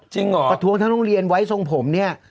เหรอประท้วงทั้งโรงเรียนไว้ทรงผมเนี่ย